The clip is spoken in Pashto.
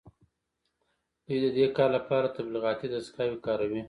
دوی د دې کار لپاره تبلیغاتي دستګاوې کاروي